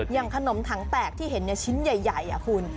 อย่างขนมถังแตกที่เห็นชิ้นใหญ่คุณ